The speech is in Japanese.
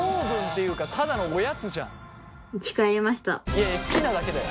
いやいや好きなだけだよ。